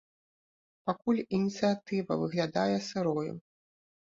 Пакуль ініцыятыва выглядае сырою.